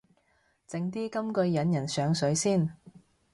整啲金句引人上水先